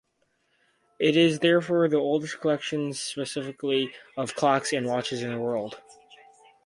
It is therefore the oldest collection specifically of clocks and watches in the world.